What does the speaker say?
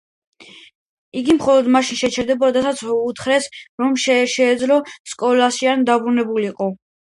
იგი მხოლოდ მაშინ შეჩერდა, როდესაც უთხრეს, რომ შეეძლო სკოლაში არ დაბრუნებულიყო.